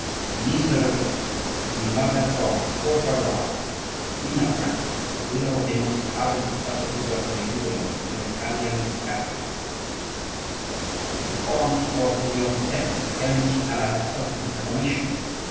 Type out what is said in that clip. "The niece of a Pope, the mother of four Valois, a queen of France, the widow of the most ardent persecutor of the Huguenots, an Italian Catholic, the aunt of Leo X.,—can she ally herself with the Reformation?"